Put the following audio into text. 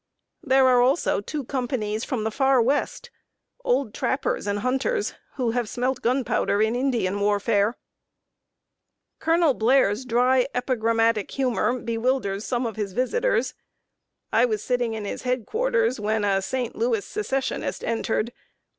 There are also two companies from the Far West old trappers and hunters, who have smelt gunpowder in Indian warfare. Colonel Blair's dry, epigrammatic humor bewilders some of his visitors. I was sitting in his head quarters when a St. Louis Secessionist entered.